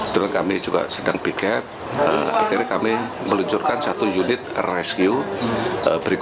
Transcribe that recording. drone kami juga sedang piket akhirnya kami meluncurkan satu unit rescue